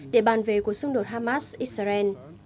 để bàn về cuộc xung đột hamas israel